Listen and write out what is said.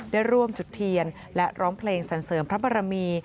ได้ร่วมจุดเทียนและร้องเพลงสรรเสริมพระบรมี